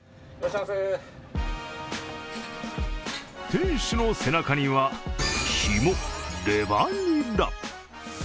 店主の背中には「肝・レバニラ」。